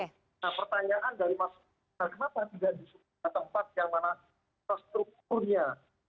nah pertanyaan dari mas kenapa tidak di tempat yang mana strukturnya